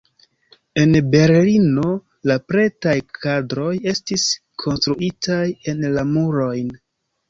En Berlino la pretaj kadroj estis konstruitaj en la murojn.